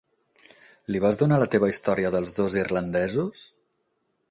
Li vas donar la teva història dels dos irlandesos?